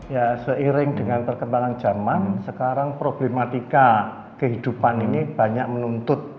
ya seiring dengan perkembangan jaman sekarang problematika kehidupan ini banyak menuntut